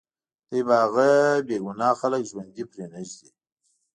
دوی به هغه بې ګناه خلک ژوندي پرېنږدي